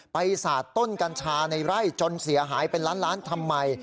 สาดต้นกัญชาในไร่จนเสียหายเป็นล้านล้านทำไม